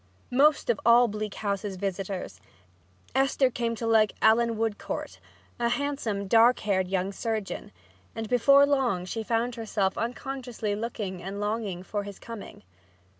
Most of all Bleak House's visitors, Esther came to like Allan Woodcourt, a handsome dark haired young surgeon, and before long she found herself unconsciously looking and longing for his coming.